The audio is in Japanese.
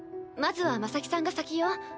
まずは真咲さんが先よ。